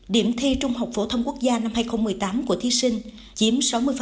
điểm thi trung học phổ thông quốc gia năm hai nghìn một mươi tám của thí sinh chiếm sáu mươi